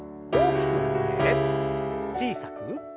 大きく振って小さく。